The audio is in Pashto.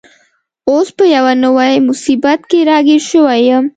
اوس په یوه نوي مصیبت کي راګیر شوی یم.